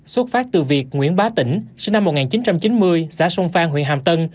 xuất phát từ việc nguyễn bá tỉnh sinh năm một nghìn chín trăm chín mươi xã sông phan huyện hàm tân